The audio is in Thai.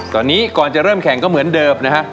ตอนนี้ก่อนจะเริ่มแข่งก็เหมือนเดิมนะฮะ